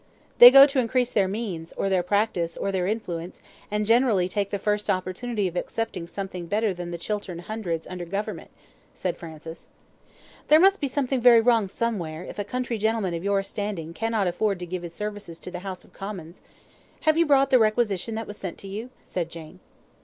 "They go to increase their means, or their practice, or their influence, and generally take the first opportunity of accepting something better than the Chiltern Hundreds under Government," said Francis. "There must be something very wrong somewhere, if a country gentleman of your standing cannot afford to give his services to the House of Commons. Have you brought the requisition that was sent to you?" said Jane.